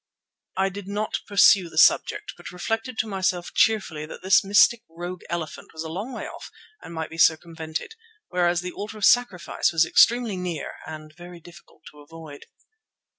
I did not pursue the subject, but reflected to myself cheerfully that this mystic rogue elephant was a long way off and might be circumvented, whereas that altar of sacrifice was extremely near and very difficult to avoid.